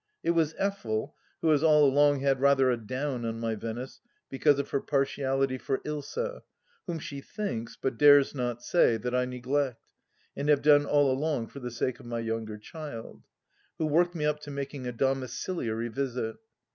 It was Effel (who has all along had rather a down on my Venice, because of her partiality for Ilsa, whom she thinks, but dares not say, that I neglect, and have done all along for the sake of my younger child) who worked me up to making a domiciliary visit.